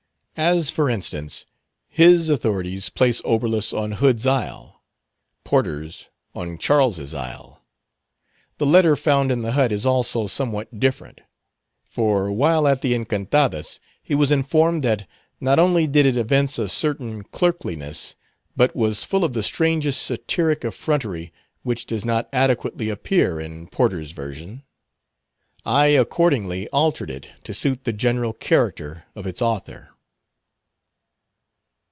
As, for instance, his authorities place Oberlus on Hood's Isle: Porter's, on Charles's Isle. The letter found in the hut is also somewhat different; for while at the Encantadas he was informed that, not only did it evince a certain clerkliness, but was full of the strangest satiric effrontery which does not adequately appear in Porter's version. I accordingly altered it to suit the general character of its author.